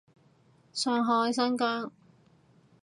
上海，新疆